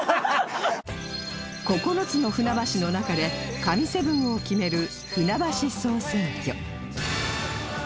９つの船橋の中で神７を決める船橋総選挙